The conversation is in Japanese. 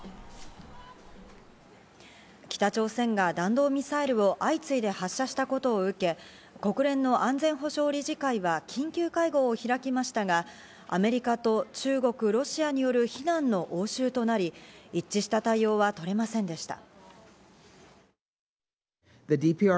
北朝鮮が弾道ミサイルを相次いで発射したことを受け、国連の安全保障理事会は緊急会合を開きましたが、アメリカと中国、ロシアによる非難の応酬となり、一致した対応は取れませんでした。